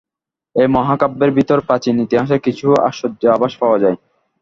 এই মহাকাব্যের ভিতর প্রাচীন ইতিহাসের কিছু কিছু আশ্চর্য আভাস পাওয়া যায়।